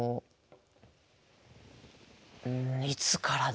いつからだろう？